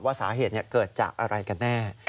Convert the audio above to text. ว่าสาเหตุเนี่ยเกิดจากอะไรกันแน่